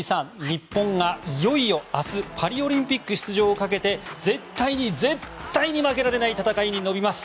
日本がいよいよ明日パリオリンピック出場をかけて絶対に絶対に負けられない戦いに挑みます。